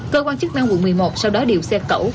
cơ quan chức năng quận một mươi một sau đó điều xe cẩu